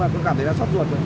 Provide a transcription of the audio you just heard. thì nó rất là xót